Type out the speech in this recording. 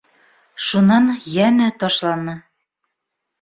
Шунан йәнә ташланы.